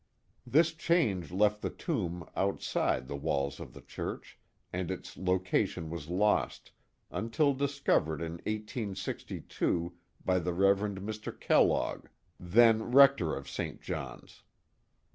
This change left the tomb outside the walls of the church, and its location was lost, until discovered in 1862 by the Rev. Mr. Kellogg, than rector of St. John's.